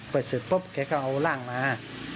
เสร็จปุ๊บแกก็เอาร่างมา